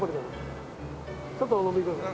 ちょっと飲んでください。